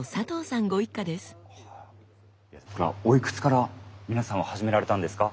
おいくつから皆さんは始められたんですか？